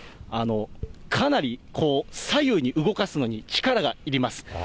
かなりこう、左右に動かすのに力がいります。